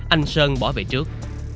anh sơn bỏ về trước